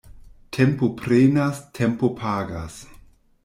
Tempo prenas, tempo pagas.